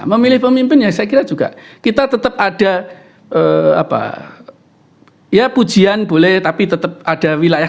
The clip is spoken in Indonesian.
memilih pemimpin ya saya kira juga kita tetap ada apa ya pujian boleh tapi tetap ada wilayah